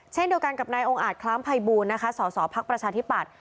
เช่นเดียวกันกับนายองค์อาจคล้ามไพบูนส่อภักดิ์ประชาธิบัติ